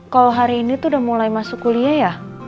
kalau hari ini tuh udah mulai masuk kuliah ya